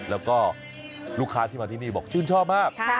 แล้วก็ลูกค้าที่มาที่นี่บอกชื่นชอบมาก